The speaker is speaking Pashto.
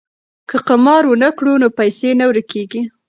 که قمار ونه کړو نو پیسې نه ورکيږي.